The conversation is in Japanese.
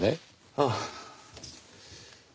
ああ。